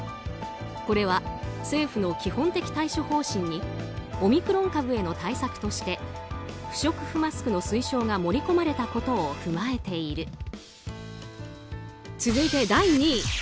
これは政府の基本的対処方針にオミクロン株への対策として不織布マスクの推奨が盛り込まれたことを踏まえている。